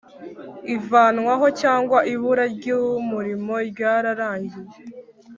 ivanwaho cyangwa ibura ry umurimo ryararangiye